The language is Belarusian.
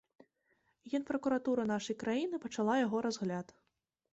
Генпракуратура нашай краіны пачала яго разгляд.